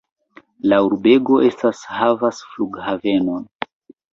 La urbego estas havas flughavenon.